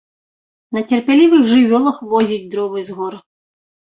На цярплівых жывёлах возіць дровы з гор.